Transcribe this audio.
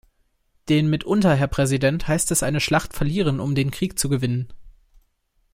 Den mitunter, Herr Präsident, heißt es eine Schlacht verlieren, um den Krieg zu gewinnen.